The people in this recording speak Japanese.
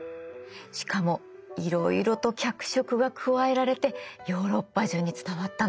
しかもいろいろと脚色が加えられてヨーロッパ中に伝わったの。